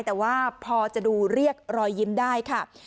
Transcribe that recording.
แต่ว่าพอจะดูเรียกรอยยิ้มได้ค่ะ